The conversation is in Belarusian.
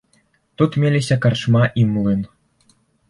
Тут меліся карчма і млын.